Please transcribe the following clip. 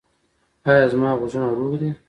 ایا زما غوږونه روغ دي؟